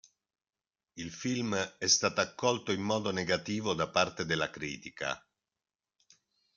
Il film è stato accolto in modo negativo da parte della critica.